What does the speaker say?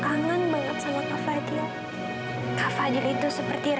kalian salah tangkap sebenarnya bukan ibu ini yang menyetir